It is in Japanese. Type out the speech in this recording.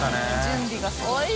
準備がすごい。